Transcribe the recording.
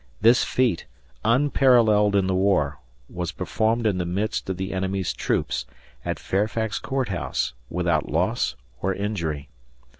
This feat, unparalleled in the war, was performed in the midst of the enemy's troops, at Fairfax Court House, without loss or injury.